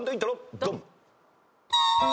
ドン！